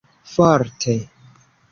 forte